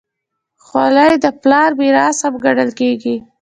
خولۍ د پلار میراث هم ګڼل کېږي.